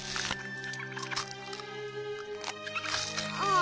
あ。